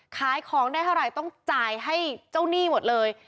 ขายของได้เท่าไหร่ต้องจ่ายให้เจ้าหนี้หมดเลย